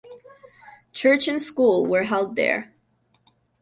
Church and school were held there.